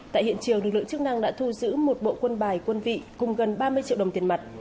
tại hiện trường lực lượng chức năng đã thu giữ một bộ quân bài quân vị cùng gần ba mươi triệu đồng tiền mặt